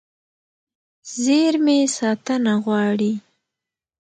زېرمې ساتنه غواړي.